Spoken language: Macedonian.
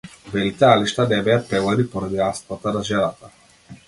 Белите алишта не беа пеглани поради астмата на жената.